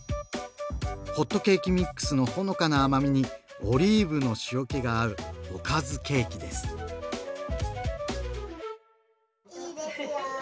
ホットケーキミックスのほのかな甘みにオリーブの塩けが合うおかずケーキです。